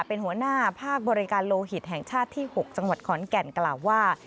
เป็นหัวหน้าภาคบริการโลหิตแห่งชาติที่๖จังหวัดขอนแก่นกล่าวว่า